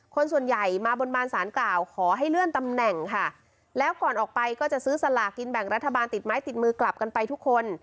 คนส่วนใหญ่มาบนบานสารกล่าวขอให้เลื่อนตำแหน่งค่ะแล้วก่อนออกไปก็จะซื้อสลากินแบ่งรัฐบาลติดไม้ติดมือกลับกันไปทุกคน